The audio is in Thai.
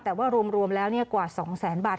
แต่ว่ารวมแล้วกว่า๒แสนบาท